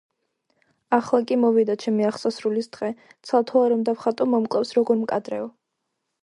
ახლა კი მოვიდა ჩემი აღსასრულის დღე, ცალთვალა რომ დავხატო, მომკლავს, როგორ მკადრეო;